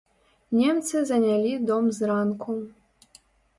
Немцы занялі дом зранку.